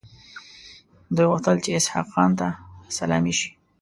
دوی غوښتل چې اسحق خان ته سلامي شي.